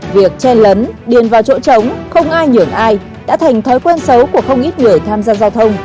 việc chen lấn điền vào chỗ trống không ai nhường ai đã thành thói quen xấu của không ít người tham gia giao thông